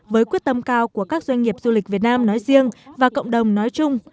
với quyết tâm cao của các doanh nghiệp du lịch việt nam nói riêng và cộng đồng nói chung